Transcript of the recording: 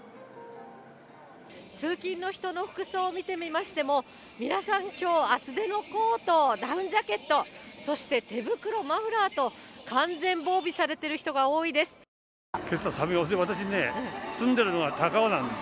通勤の人の服装を見てみましても、皆さんきょう、厚手のコート、ダウンジャケット、そして手袋、マフラーと、完全防備されてる人が多いです。